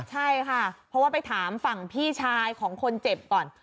ใช่ค่ะเพราะว่าไปถามฝั่งพี่ชายของคนเจ็บก่อน